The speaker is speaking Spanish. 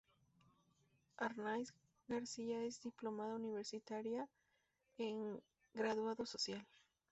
Arnáiz García es diplomada universitaria en Graduado Social.